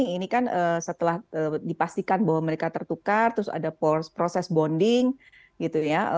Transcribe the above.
ini kan setelah dipastikan bahwa mereka tertukar terus ada proses bonding gitu ya